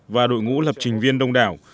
và đội ngũ lập trình viên đông đảo